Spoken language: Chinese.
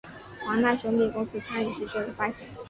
华纳兄弟公司参与制作与发行。